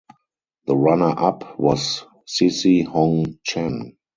The runner-up was Cici Hong Chen.